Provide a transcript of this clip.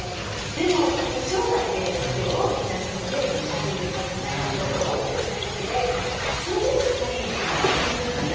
でもお商売でやっぱり大きな社員もいっぱい抱えてる大きな会社でそれでもやはりやってみなきゃ分からない？